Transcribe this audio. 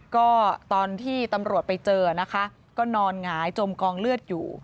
ก็ตอนที่ตำรวจไปเจอนะคะก็นอนหงายจมกองเลือดอยู่